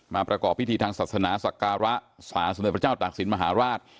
ประกอบพิธีทางศาสนาสักการะสารสมเด็จพระเจ้าตากศิลปมหาราช